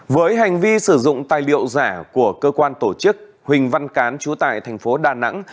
với hành vi sử dụng tài liệu giả của cơ quan tổ chức huỳnh văn cán trú tại thành phố đà nẵng